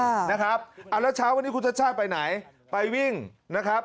อันแล้วเช้าวันนี้คุณชัชช่ายไปไหนไปวิ่งนะครับ